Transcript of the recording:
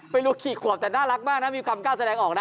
ไม่รู้กี่ขวบแต่น่ารักมากนะมีความกล้าแสดงออกนะ